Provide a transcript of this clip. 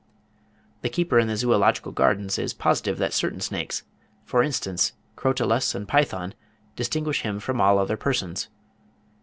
The keeper in the Zoological Gardens is positive that certain snakes, for instance Crotalus and Python, distinguish him from all other persons.